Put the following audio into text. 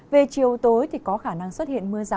về chiều tối thì có khả năng xuất hiện mưa rải rải rải